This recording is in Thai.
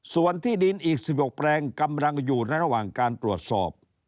ส่วนที่ดินอีก๑๖แปลงกำลังอยู่ระหว่างการตรวจสอบ